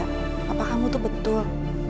papa kamu tuh betul